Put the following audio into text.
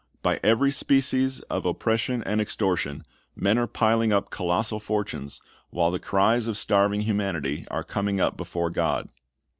By every species of oppression and extortion, men are piling up colossal fortunes, while the cries of starving humanity are coming up before God.